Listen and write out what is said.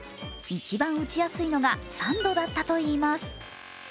一番打ちやすいのが３度だったといいます。